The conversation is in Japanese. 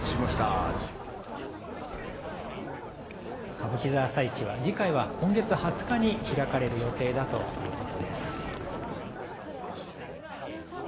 歌舞伎座朝市は次回は今月２０日に開かれる予定だということです。